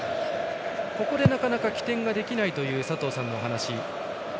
ここでなかなか起点ができないという佐藤さんのお話。